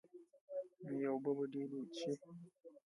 ایا اوبه به ډیرې څښئ؟